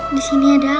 disini ada aku ya